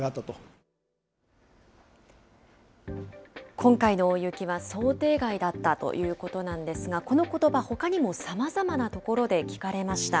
今回の大雪は想定外だったということなんですが、このことば、ほかにもさまざまな所で聞かれました。